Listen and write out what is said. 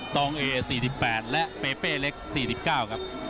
ตองเอ๔๘และเปเป้เล็ก๔๙ครับ